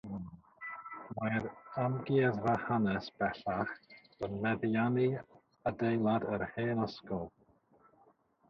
Mae'r amgueddfa hanes bellach yn meddiannu adeilad yr hen ysgol.